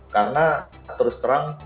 karena terus terang